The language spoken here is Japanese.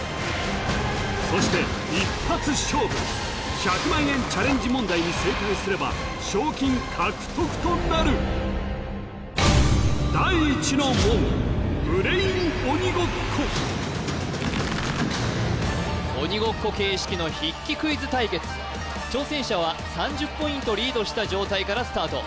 そして一発勝負１００万円チャレンジ問題に正解すれば賞金獲得となる鬼ごっこ形式の筆記クイズ対決挑戦者は３０ポイントリードした状態からスタート